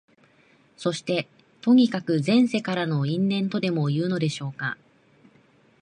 そして、とにかく前世からの因縁とでもいうのでしょうか、